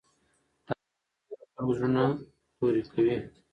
تاوان د ډېرو خلکو زړونه توري کوي.